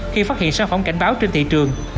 khi phát hiện sản phẩm cảnh báo trên thị trường